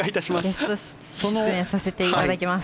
ゲスト出演させていただきます。